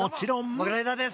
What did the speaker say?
モグライダーです！